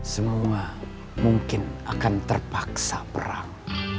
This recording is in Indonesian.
semua mungkin akan terpaksa perang